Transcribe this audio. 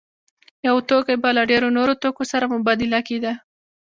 یو توکی به له ډېرو نورو توکو سره مبادله کېده